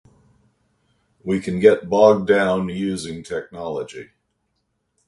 We can get bogged down using technology.